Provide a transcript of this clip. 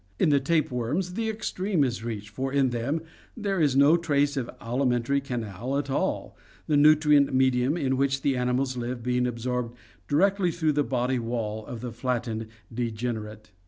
In the tapeworms the extreme is reached, for in them there is no trace of alimentary canal at all, the nutrient medium in which the animals live being absorbed directly through the body wall of the flattened degenerate.